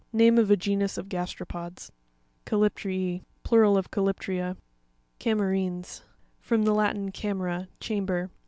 Name of a genus of gasteropods (page 59). Catyptr# £.—Plural of Calyptre'a. Cam'ERINES.— From the Latin, ca mera, chamber.